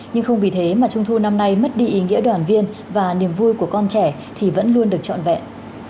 nhưng không vì thế mà trung thu năm nay mất đi ý nghĩa đoàn viên và niềm vui của con trẻ thì vẫn luôn được trọn vẹn